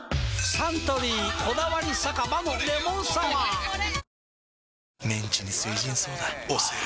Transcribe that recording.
サントリー「こだわり酒場のレモンサワー」推せる！！